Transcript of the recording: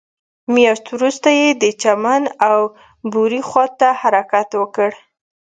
مياشت وروسته يې د چمن او بوري خواته حرکت وکړ.